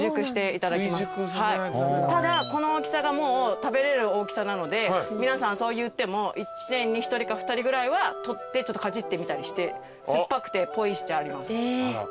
ただこの大きさがもう食べれる大きさなので皆さんそう言っても１年に１人か２人ぐらいは採ってちょっとかじってみたりして酸っぱくてぽいしてあります。